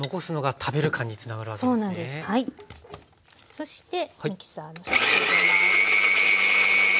そしてミキサーのスイッチを入れます。